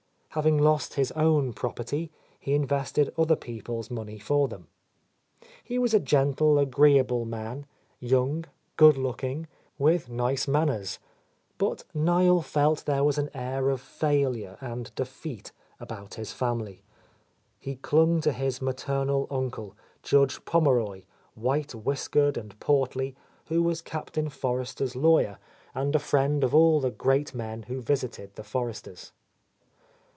Having lost his own property, he in vested other people's money for them. He was a gentle, agreeable man, young, good looking, with nice manners, but Niel felt there was an air of failure and defeat about his family. He clung to his maternal uncle. Judge Pommeroy, white whisk ered and portly, who was Captain Forrester's law yer and a friend of all the great men who visited the Forresters.